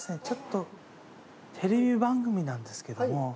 ちょっとテレビ番組なんですけども。